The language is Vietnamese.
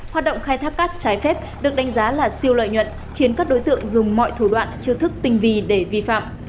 hoạt động khai thác cát trái phép được đánh giá là siêu lợi nhuận khiến các đối tượng dùng mọi thủ đoạn chiêu thức tinh vi để vi phạm